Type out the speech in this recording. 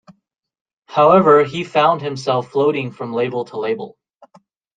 However, he found himself floating from label to label.